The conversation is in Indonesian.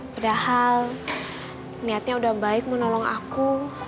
padahal niatnya udah baik mau nolong aku